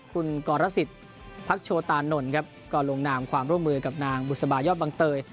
คุณกรสิทธิ์พักโชตานนท์ครับก็ลงนามความร่วมมือกับนางบุษบายอดบังเตย